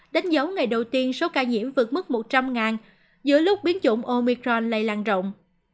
đánh dấu ngày đầu tiên số ca nhiễm vượt mức một trăm linh giữa lúc biến chủng omicron lây lan rộng